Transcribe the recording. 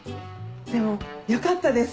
でもよかったです。